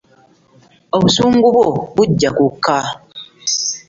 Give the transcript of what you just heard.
Obusungu bwo bujja kukka.